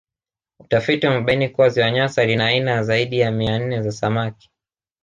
Utafiti umebaini kuwa Ziwa Nyasa lina aina ya zaidi ya mia nne za samaki